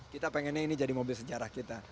kita pengennya ini jadi mobil sejarah kita